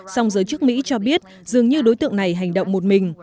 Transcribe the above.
song giới chức mỹ cho biết dường như đối tượng này hành động một mình